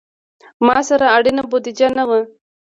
ما سره اړینه بودیجه نه وه.